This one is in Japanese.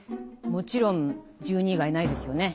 もちろん１２以外ないですよね。